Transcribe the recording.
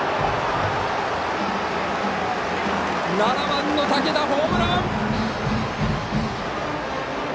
７番の武田、ホームラン！